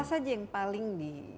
apa saja yang paling di